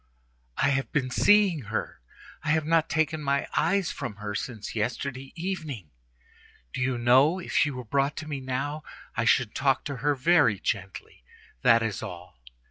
I have been seeing her; I have not taken my eyes from her since yesterday evening. Do you know? If she were brought to me now, I should talk to her very gently. That is all.